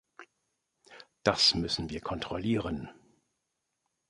Das müssen wir kontrollieren!